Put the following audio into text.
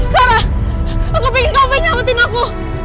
para aku pengen kamu nyametin aku